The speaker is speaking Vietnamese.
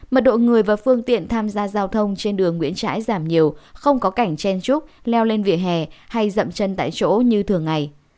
mật độ người và phương tiện tham gia giao thông trên đường nguyễn trãi giảm nhiều không có cảnh chen trúc leo lên vỉa hè hay rậm chân tại chỗ như thường ngày